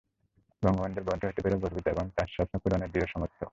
যুক্তরাষ্ট্র বন্ধু হতে পেতে গর্বিত এবং তাঁর সেই স্বপ্ন পূরণে দৃঢ় সমর্থক।